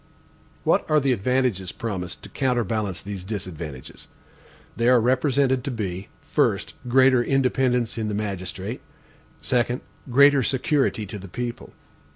What are the advantages promised to counterbalance these disadvantages? They are represented to be: 1st, greater independence in the magistrate; 2d, greater security to the people.